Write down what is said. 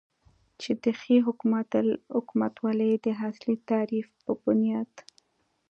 چې د ښې حکومتولې داصلي تعریف په بنیاد